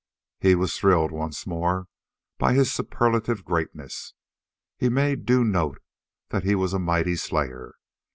He was thrilled once more by his superlative greatness. He made due note that he was a mighty slayer.